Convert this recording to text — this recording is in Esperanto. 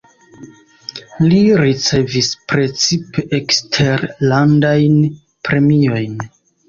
Li ricevis precipe eksterlandajn premiojn.